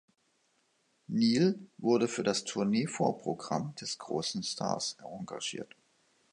Neal wurde für das Tournee-Vorprogramm des großen Stars engagiert.